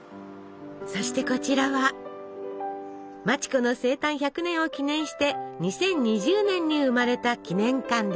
そしてこちらは町子の生誕１００年を記念して２０２０年に生まれた記念館です。